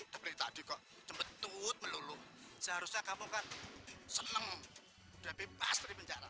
deplik tadi kok jembetut melulu seharusnya kamu kan seneng udah bebas dari penjara